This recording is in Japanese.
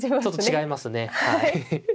ちょっと違いますね。